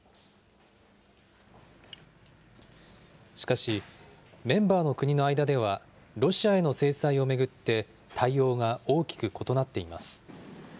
しかし、メンバーの国の間では、ロシアへの制裁を巡って対応が大きく異なっています。